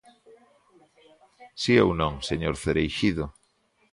¿Si ou non, señor Cereixido?